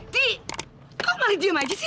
di kok malah diem aja sih